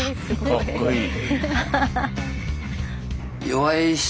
かっこいい。